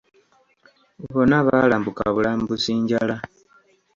Bonna baalambuka bulambusi njala.